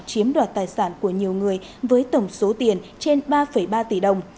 chiếm đoạt tài sản của nhiều người với tổng số tiền trên ba ba tỷ đồng